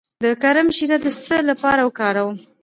د کرم شیره د څه لپاره وکاروم؟